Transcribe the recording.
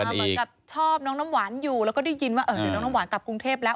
เหมือนกับชอบน้องน้ำหวานอยู่แล้วก็ได้ยินว่าเดี๋ยวน้องน้ำหวานกลับกรุงเทพแล้ว